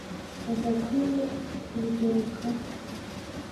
badakwiye kubigarukaho